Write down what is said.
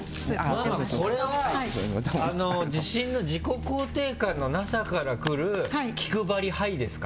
ママ、これは自信の自己肯定感のなさから来る気配りハイですか？